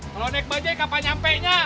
kalo naik bajaj kapan nyampenya